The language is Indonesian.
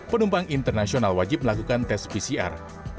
penumpang internasional wajib melakukan tes pcr